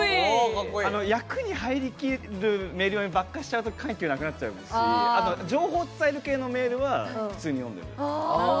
役に入りきるばかりメールだと緩急なくなっちゃいますし情報伝える系のメールは、普通に読んでる。